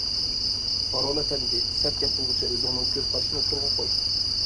پارول ئەپەندى سەت گەپ قىلغۇچە ئۆزۈڭنىڭ كۆز قارىشىنى ئوتتۇرىغا قوي.